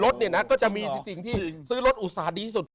รถเนี่ยนะก็จะมีสิ่งที่ซื้อรถอุตส่าห์ดีที่สุด